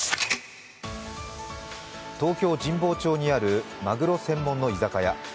東京・神保町にあるマグロ専門の居酒屋。